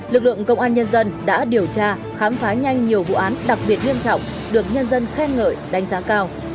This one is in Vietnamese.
lực lượng công an nhân dân đã điều tra khám phá nhanh nhiều vụ án đặc biệt nghiêm trọng được nhân dân khen ngợi đánh giá cao